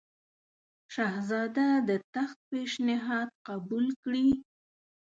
شهزاده د تخت پېشنهاد قبول کړي.